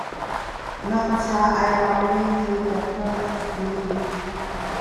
Ngakchia a pommi khi ka far a si.